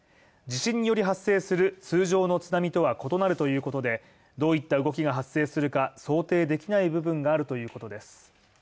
地震により発生する通常の津波とは異なるということで、どういった動きが発生するか想定できない部分があるということです。